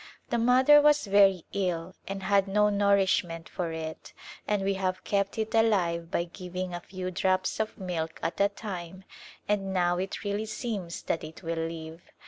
The mother was very ill and had no nourishment for it, and we have kept it alive by giving a few drops of milk at a time and now it really seems that it will live.